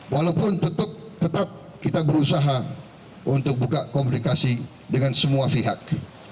walaupun tetap kita berusaha untuk buka komunikasi dengan semua pihak